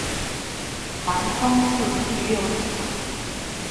韩匡嗣第六子。